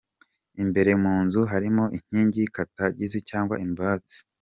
Imbere mu nzu harimo inkingi Kantagazi cyangwa Imbazi.